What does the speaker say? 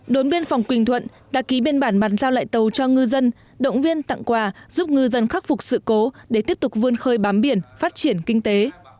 đồn biên phòng quỳnh thuận đã ký biên bản bàn giao lại tàu cho ngư dân động viên tặng quà giúp ngư dân khắc phục sự cố để tiếp tục vươn khơi bám biển phát triển kinh tế